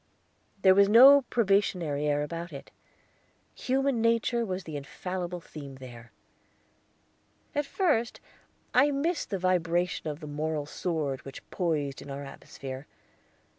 There was no probationary air about it. Human Nature was the infallible theme there. At first I missed the vibration of the moral sword which poised in our atmosphere.